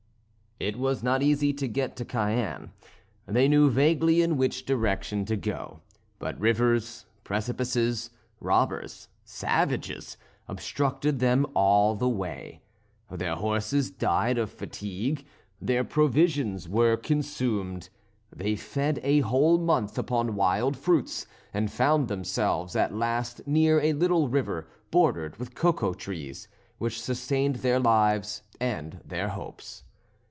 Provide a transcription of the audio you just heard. It was not easy to get to Cayenne; they knew vaguely in which direction to go, but rivers, precipices, robbers, savages, obstructed them all the way. Their horses died of fatigue. Their provisions were consumed; they fed a whole month upon wild fruits, and found themselves at last near a little river bordered with cocoa trees, which sustained their lives and their hopes.